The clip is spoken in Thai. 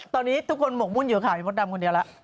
ตอนนี้ทุกคนหมกมุ่นอยู่ขายมดดำคนเดียวแล้ว